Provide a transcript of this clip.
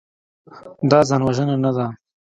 دا ځانوژنه نه ده.